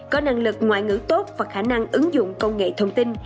có năng lực ngoại ngữ tốt và khả năng ứng dụng công nghệ thông tin